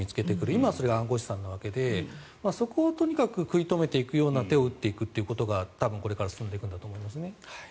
今はそれが暗号資産なわけでそこをとにかく食い止めていくような手を打っていくことがこれから進んでいくんだと思いますね。